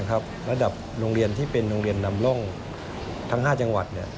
ระดับโรงเรียนที่เป็นโรงเรียนนำร่องทั้ง๕จังหวัด